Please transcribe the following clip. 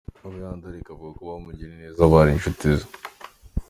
Abo yandarika avuga ko bamugiriye neza, bari inshuti ze.